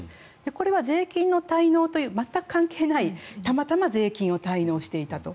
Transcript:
これは税金の滞納という全く関係ないたまたま税金を滞納していたと。